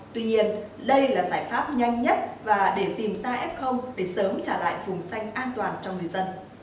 tuy nhiên đây là giải pháp nhanh nhất và để tìm ra f để sớm trả lại vùng xanh an toàn cho người dân